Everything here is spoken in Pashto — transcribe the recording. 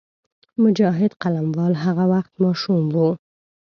مجاهد قلموال هغه وخت ماشوم وو.